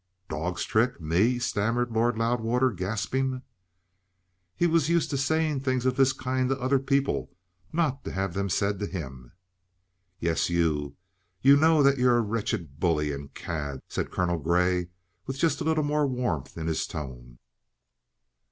"D D Dog's trick? Me?" stammered Lord Loudwater, gasping. He was used to saying things of this kind to other people; not to have them said to him. "Yes, you. You know that you're a wretched bully and cad," said Colonel Grey, with just a little more warmth in his tone.